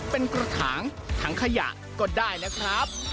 เป็นกระถางถังขยะก็ได้นะครับ